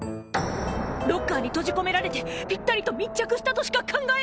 ロッカーに閉じ込められてぴったりと密着したとしか考えられん！